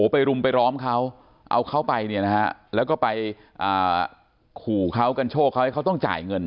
ไปรุมไปล้อมเขาเอาเขาไปเนี่ยนะฮะแล้วก็ไปขู่เขากันโชคเขาให้เขาต้องจ่ายเงิน